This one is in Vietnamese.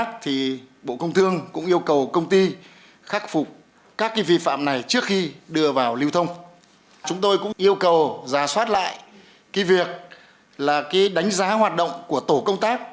chúng tôi cũng yêu cầu giả soát lại cái việc là cái đánh giá hoạt động của tổ công tác